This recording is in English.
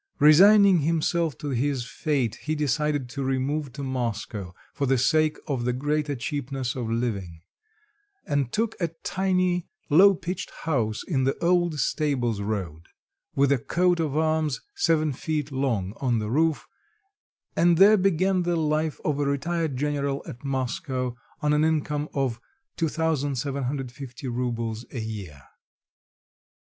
Resigning himself to his fate, he decided to remove to Moscow for the sake of the greater cheapness of living, and took a tiny low pitched house in the Old Stables Road, with a coat of arms seven feet long on the roof, and there began the life of a retired general at Moscow on an income of 2750 roubles a year.